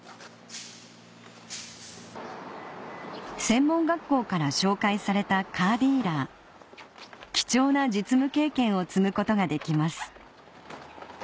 専門学校から紹介されたカーディーラー貴重な実務経験を積むことができます